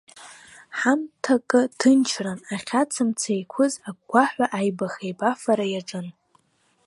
Ҳамҭакы ҭынчран, ахьаца мца еиқәыз, агәгәаҳәа аибах-еибафара иаҿын.